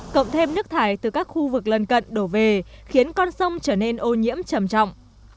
cộng thêm nước thải từ các khu vực lân cận đổ về khiến con sông trở nên ô nhiễm trầm trọng